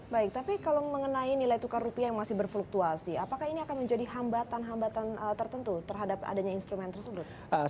baik tapi kalau mengenai nilai tukar rupiah yang masih berfluktuasi apakah ini akan menjadi hambatan hambatan tertentu terhadap adanya instrumen tersebut